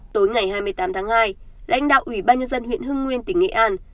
tối ngày hai mươi tám tháng hai lãnh đạo ủy ban nhân dân huyện hưng nguyên tỉnh nghệ an